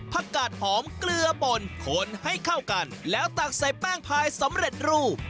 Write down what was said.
กาดหอมเกลือป่นคนให้เข้ากันแล้วตักใส่แป้งพายสำเร็จรูป